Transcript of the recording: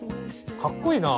かっこいいな！